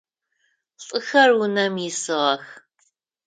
Лӏыхэр унэм исыгъэх.